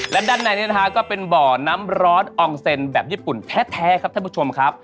และด้านในนี้นะคะก็เป็นบ่อน้ำร้อนอองเซ็นแบบญี่ปุ่นแท้ครับท่านผู้ชมครับ